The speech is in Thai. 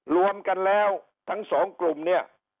รวมกันแล้วทั้งสองกลุ่มเนี่ย